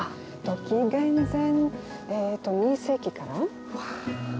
紀元前２世紀かな？